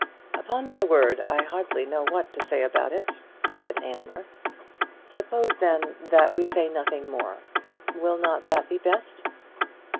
"Upon my word, I hardly know what to say about it," said Aylmer. "Suppose, then, that we say nothing more. Will not that be best?"